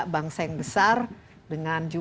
bangsa yang besar dengan